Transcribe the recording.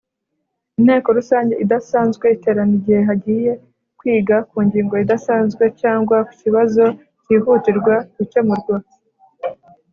Inteko Rusange idasanzwe iterana igihe hagiye kwiga ku ngingo idasanzwe cyangwa kukibazo kihutirwa gukemurwa.